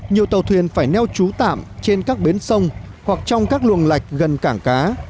nhiều tàu thuyền phải neo trú tạm trên các bến sông hoặc trong các luồng lạch gần cảng cá